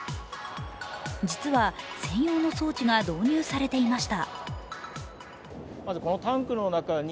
実は専用の装置が導入されていました。